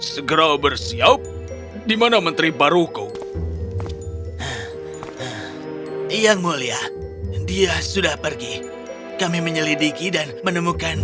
segera bersiap dimana menteri baruku yang mulia dia sudah pergi kami menyelidiki dan menemukan